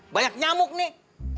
banyak nyamuk nih